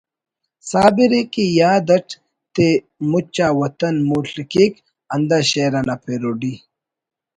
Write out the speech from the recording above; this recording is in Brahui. صابر ءِ کہ یاد اٹ تے مچ آ وطن مول/ کیک'' ہندا شئیر انا پیروڈی